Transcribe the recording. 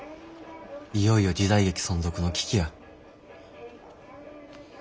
いよいよ時代劇存続の危機や。